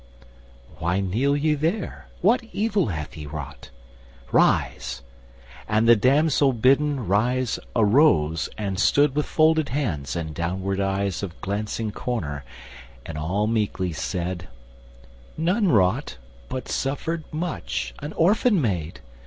"Why kneel ye there? What evil hath ye wrought? Rise!" and the damsel bidden rise arose And stood with folded hands and downward eyes Of glancing corner, and all meekly said, "None wrought, but suffered much, an orphan maid!